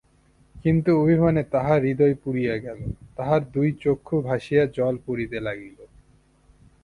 কিন্তু অভিমানে তাঁহার হৃদয় পুরিয়া গেল, তাঁহার দুই চক্ষু ভাসিয়া জল পড়িতে লাগিল।